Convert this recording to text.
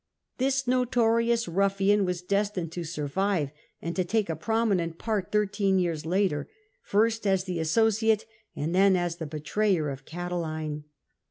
This notorious ruffian was destined to survive, and to take a prominent part thirteen years lat/cr, first as the associate and then as the betrayer of Catiline.